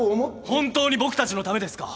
本当に僕たちのためですか？